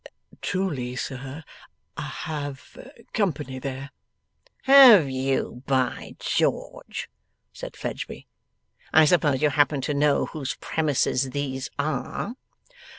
'Truly, sir, I have company there.' 'Have you, by George!' said Fledgeby; 'I suppose you happen to know whose premises these are?